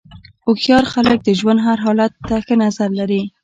هوښیار خلک د ژوند هر حالت ته ښه نظر لري.